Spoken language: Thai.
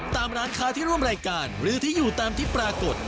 ที่ร่วมรายการหรือที่อยู่ตามที่ปรากฏ